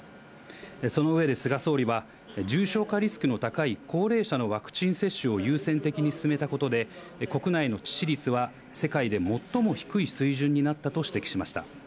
その上で菅総理は、重症化リスクの高い高齢者のワクチン接種を優先的に進めたことで、国内の致死率は世界で最も低い水準になったと指摘しました。